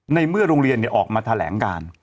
ในเมื่อโรงเรียนออกมาแถลงการ